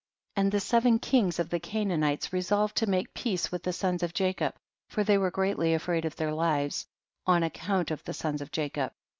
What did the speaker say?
22. And the seven kings of the Canaanites resolved to make peace with the sons of Jacob, for they were greatly afraid of their lives, on ac count of the sons of Jacob.